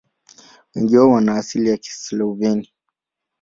Wengi wao wana asili ya Kislavoni.